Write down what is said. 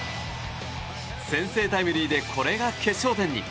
先制タイムリーでこれが決勝点に。